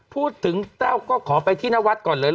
แต้วก็ขอไปที่นวัดก่อนเลย